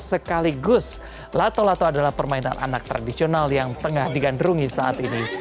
sekaligus lato lato adalah permainan anak tradisional yang tengah digandrungi saat ini